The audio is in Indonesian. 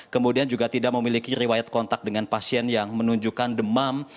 kemudian juga tidak memiliki riwayat kontak dengan pasien yang menunjukkan demam